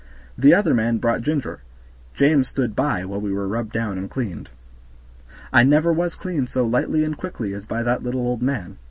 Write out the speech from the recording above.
The other man brought Ginger; James stood by while we were rubbed down and cleaned. I never was cleaned so lightly and quickly as by that little old man.